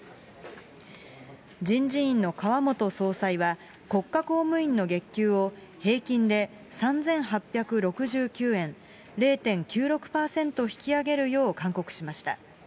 人事院の川本総裁は、国家公務員の月給を平均で３８６９円、０．９６％引き上げるよう勧告しました。